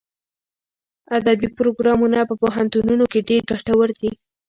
ادبي پروګرامونه په پوهنتونونو کې ډېر ګټور دي.